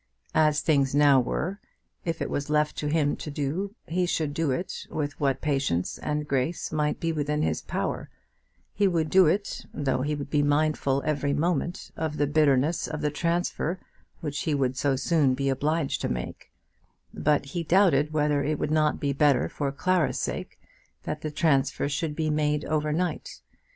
As things now were, if it was left to him to do, he should do it, with what patience and grace might be within his power; he would do it, though he would be mindful every moment of the bitterness of the transfer which he would so soon be obliged to make; but he doubted whether it would not be better for Clara's sake that the transfer should be made over night.